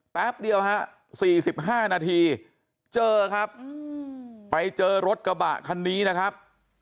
แป๊บเดียวฮะ๔๕นาทีเจอครับไปเจอรถกระบะคันนี้นะครับ